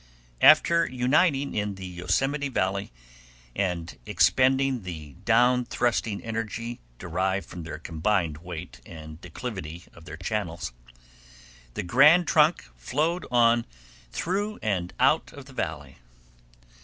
After uniting in the Yosemite Valley, and expending the down thrusting energy derived from their combined weight and the declivity of their channels, the grand trunk flowed on through and out of the Valley.